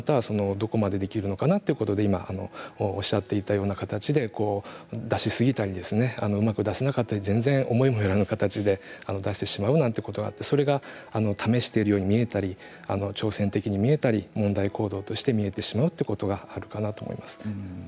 どこまでできるのかなということでおっしゃっていたような形で出しすぎたりうまく出せなかったり思いもよらなかった形で出してしまうということもそういうことを試しているように見えたり、挑戦的に見えたり問題行動として見えてしまうということがあるかなと思います。